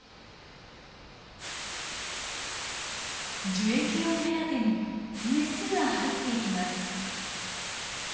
樹液を目当てにメスが入っていきます。